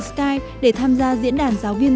skype để tham gia diễn đàn giáo viên